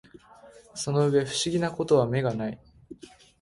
その上不思議な事は眼がない